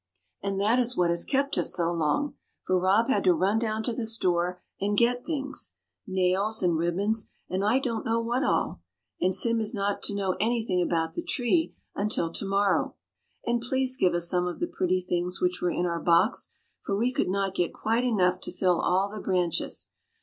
And that is what has kept us so long, for Rob had to run down to the store and get things nails and ribbons, and I don't know what all. And Sim is not to know anything about the tree until to morrow. And please give us some of the pretty things which were in our box, for we could not get quite enough to fill all the branches.